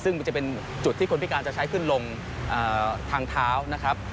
ซึ่งมันจะเป็นจุดที่คนพิการจะใช้ขึ้นลงทางเท้านะครับ